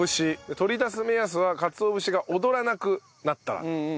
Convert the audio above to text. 取り出す目安はかつお節が踊らなくなったら。